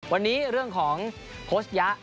วันนี้เรื่องของโค้ชยะ